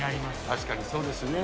確かにそうですよね。